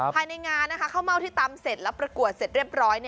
ภายในงานข้าวเม่าที่ตำเสร็จแล้วประกวดเสร็จเรียบร้อย